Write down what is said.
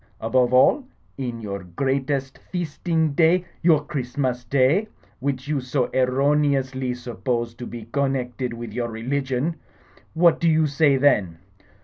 Above all, in your greatest feasting day — ^your Christmas day — ^which you so erroneously suppose to be connected with your religion, what do you say then